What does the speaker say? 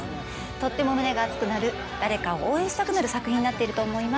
とっても胸が熱くなる誰かを応援したくなる作品になっていると思います。